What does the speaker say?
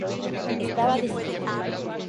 Estaba decidido.